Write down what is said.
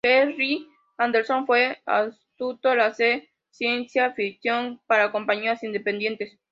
Gerry Anderson fue astuto al hacer ciencia ficción para compañías independientes.